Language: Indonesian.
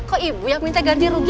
kok ibu yang minta ganti rugi